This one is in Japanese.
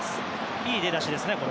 いい出だしですね。